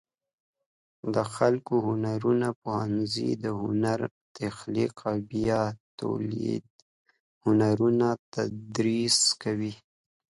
د ښکلو هنرونو پوهنځی د هنري تخلیق او بیا تولید هنرونه تدریس کوي.